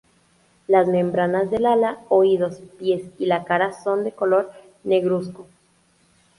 Las membranas del ala, oídos, pies y la cara son de color negruzco.